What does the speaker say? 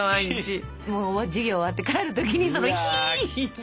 もう授業終わって帰る時にひーひーって。